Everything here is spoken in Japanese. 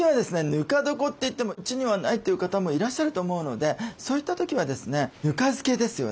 ぬか床といってもうちにはないという方もいらっしゃると思うのでそういった時はですねぬか漬けですよね。